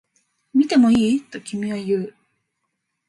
見てもいい？と君は言う